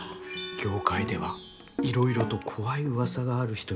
業界ではいろいろと怖いうわさがある人みたいですね。